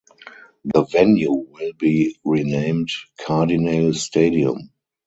The venue will be renamed Cardinale Stadium.